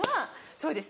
そうです